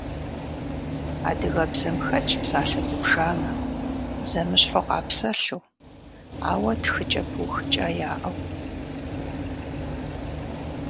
Адыгэбзэм хэтщ псалъэ зыбжанэ, зэмыщхьу къапсэлъу, ауэ тхыкӏэ пыухыкӏа яӏэу.